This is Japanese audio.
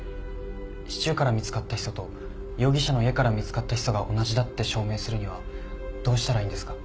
シチューから見つかったヒ素と容疑者の家から見つかったヒ素が同じだって証明するにはどうしたらいいんですか？